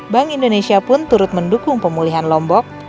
bank indonesia pun turut mendukung pemulihan lombok